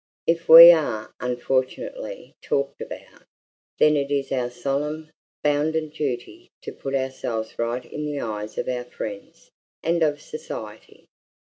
"If we are, unfortunately, talked about, then it is our solemn, bounden duty to put ourselves right in the eyes of our friends and of society.